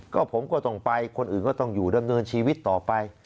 ก็ผมก็ต้องไปคนอื่นก็ต้องอยู่ดำเนินชีวิตต่อไป